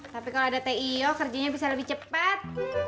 tapi kalau ada teh yo kerjanya bisa lebih cepat